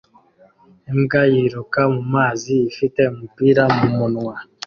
Imbwa yiruka mumazi ifite umupira mumunwa